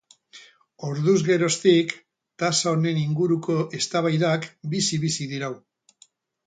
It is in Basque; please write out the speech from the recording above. Orduz geroztik, tasa honen inguruko eztabaidak bizi-bizi dirau.